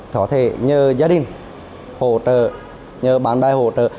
thỏa thể nhờ gia đình hỗ trợ nhờ bạn bè hỗ trợ